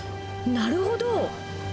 なるほど。